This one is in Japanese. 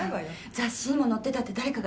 雑誌にも載ってたって誰かが言ってた。